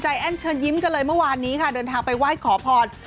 แอ้นเชิญยิ้มกันเลยเมื่อวานนี้ค่ะเดินทางไปไหว้ขอพร